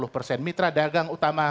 empat puluh persen mitra dagang utama kita